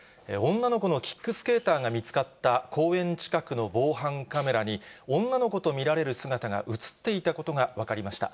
女の子のキックスケーターが見つかった公園近くの防犯カメラに、女の子と見られる姿が写っていたことが分かりました。